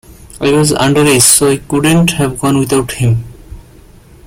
I was underage so I couldn't have gone without him.